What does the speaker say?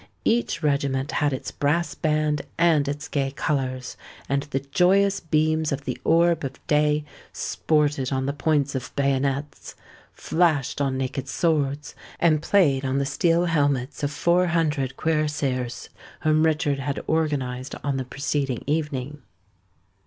Each regiment had its brass band and its gay colours; and the joyous beams of the orb of day sported on the points of bayonets, flashed on naked swords, and played on the steel helmets of four hundred cuirassiers whom Richard had organised on the preceding evening.